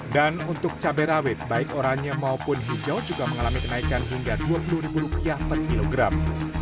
dan untuk cabai rawit baik oranye maupun hijau juga mengalami kenaikan hingga rp dua puluh per kilogram